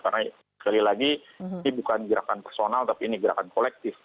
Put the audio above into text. karena sekali lagi ini bukan gerakan personal tapi ini gerakan kolektif